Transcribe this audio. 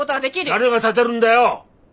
誰が立でるんだよ！